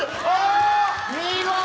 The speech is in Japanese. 見事！